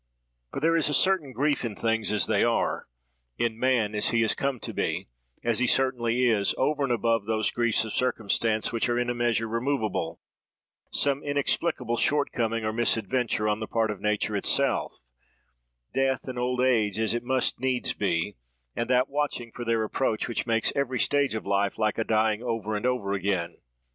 "For there is a certain grief in things as they are, in man as he has come to be, as he certainly is, over and above those griefs of circumstance which are in a measure removable—some inexplicable shortcoming, or misadventure, on the part of nature itself—death, and old age as it must needs be, and that watching for their approach, which makes every stage of life like a dying over and over again.